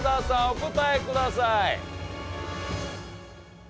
お答えください。